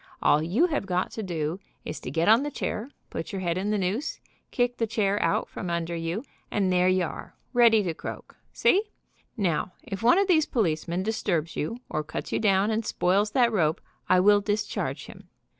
All you have got to do is to get on the chair, put your head in the noose, kick the chair out from under you, and there you are, ready to croak. See? Now, if one of these policemen disturbs you, or cuts you down,. and spoils "If you want a minister, say so." 24 GAVE THE PRISONER ROPE that rope, I will discharge him.